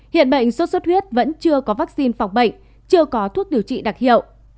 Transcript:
hiện bệnh sốt xuất huyết vẫn chưa có vaccine phòng bệnh chưa có thuốc điều trị đặc hiệu